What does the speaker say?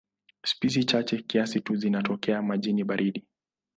Spishi chache kiasi tu zinatokea majini baridi.